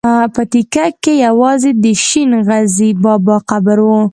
په تکیه کې یوازې د شین غزي بابا قبر و.